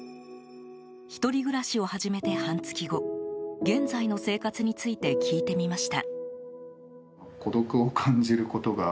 １人暮らしを始めて半月後現在の生活について聞いてみました。